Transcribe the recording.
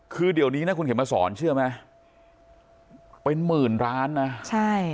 คือเดี๋ยวนี้นะคุณเข็มมาสอนเชื่อไหมเป็นหมื่นล้านนะใช่